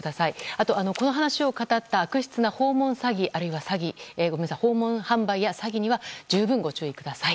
あと、この話をかたった悪質な訪問販売や詐欺には十分、ご注意ください。